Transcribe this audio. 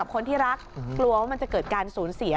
คนที่รักกลัวว่ามันจะเกิดการสูญเสีย